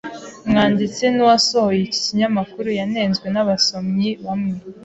Umwanditsi nuwasohoye iki kinyamakuru yanenzwe nabasomyi bamwe.